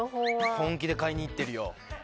本気で買いに行ってるよ。